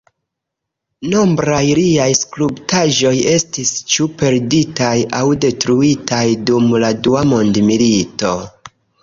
Nombraj liaj skulptaĵoj estis ĉu perditaj aŭ detruitaj dum la Dua Mondmilito.